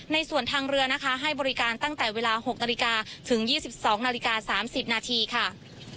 ในส่วนทางเรือนะคะให้บริการตั้งแต่เวลา๖นาฬิกาถึง๒๒นาฬิกา๓๐นาทีค่ะ